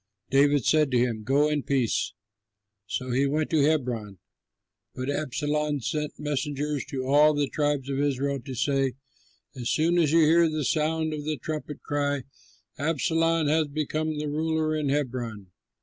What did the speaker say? David said to him, "Go in peace." So he went to Hebron; but Absalom sent messengers to all the tribes of Israel to say, "As soon as you hear the sound of the trumpet, cry, 'Absalom has become ruler in Hebron.'"